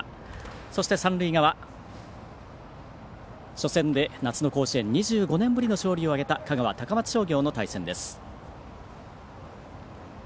そして、三塁側初戦で夏の甲子園２５年ぶりの勝利を挙げた香川・高松商業の対戦です。